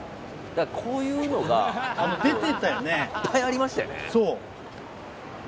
こういうのがいっぱいありましたよね。